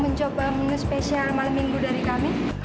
mencoba menu spesial malam minggu dari kami